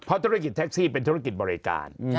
เพราะธุรกิจแท็กซี่เป็นธุรกิจบริการ